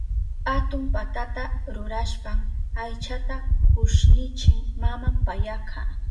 Atun patata rurashpan aychata kushnichin maman payaka.